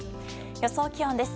予想気温です。